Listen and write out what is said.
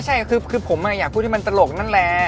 ใช่คือผมอยากพูดให้มันตลกนั่นแหละ